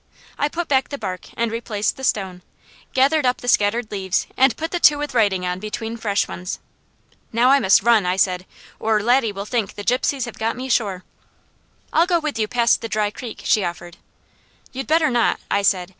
I put back the bark and replaced the stone, gathered up the scattered leaves, and put the two with writing on between fresh ones. "Now I must run," I said, "or Laddie will think the Gypsies have got me sure." "I'll go with you past the dry creek," she offered. "You better not," I said.